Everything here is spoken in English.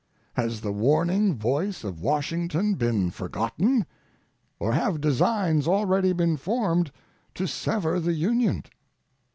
Has the warning voice of Washington been forgotten, or have designs already been formed to sever the Union?